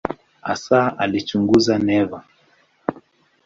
Hasa alichunguza neva.